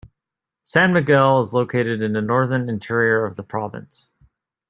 San Miguel is located in the northern interior of the province.